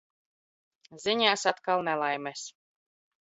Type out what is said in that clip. Ziņās atkal nelaimes.